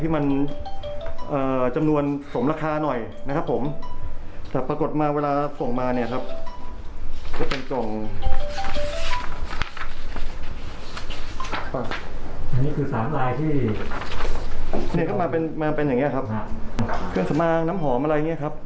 มาเป็นแบบเนี้ยครับกับเครื่องสำอางน้ำหอมอะไรอย่างเงี้ยครับ